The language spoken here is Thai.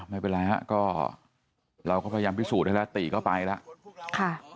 ไม่เป็นไรฮะก็เราก็พยายามพิสูจน์ให้แล้วติก็ไปแล้ว